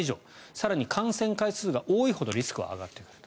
更に、感染回数が多いほどリスクが上がっている。